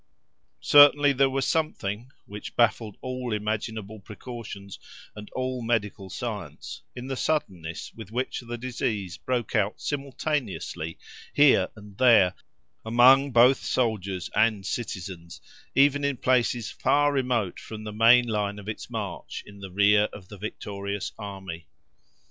Certainly there was something which baffled all imaginable precautions and all medical science, in the suddenness with which the disease broke out simultaneously, here and there, among both soldiers and citizens, even in places far remote from the main line of its march in the rear of the victorious army.